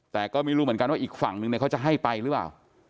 แต่ก็ไม่รู้เหมือนกันว่าอีกฝั่งนึงเนี่ยเขาจะให้ไปหรือเปล่า